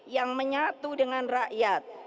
yang menyatu dengan rakyat